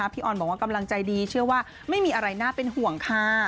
ออนบอกว่ากำลังใจดีเชื่อว่าไม่มีอะไรน่าเป็นห่วงค่ะ